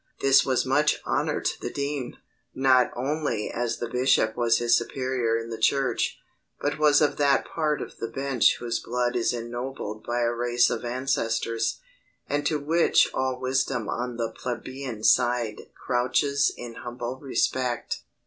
This was much honour to the dean, not only as the bishop was his superior in the Church, but was of that part of the bench whose blood is ennobled by a race of ancestors, and to which all wisdom on the plebeian side crouches in humble respect.